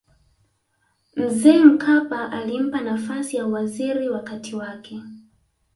mzee mkapa alimpa nafasi ya uwaziri wakati wake